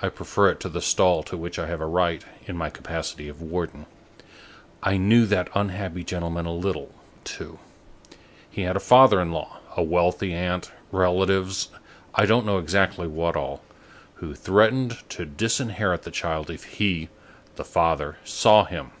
I prefer it to the stall to which I have a right, in my capacity of warden. I knew that unhappy gentleman a little, too. He had a father in law, a wealthy aunt, relatives, I don't know exactly what all, who threatened to disinherit the child if he, the father, saw him.